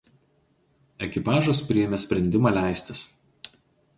Ekipažas priėmė sprendimą leistis.